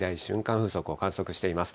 風速を観測しています。